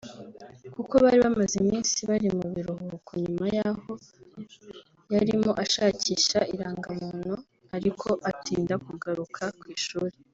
Kuko bari bamaze iminsi bari mu biruhuko nyuma y’aho yarimo ashakisha irangamuntu ariko atinda kugaruka ku ishuri